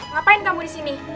ngapain kamu disini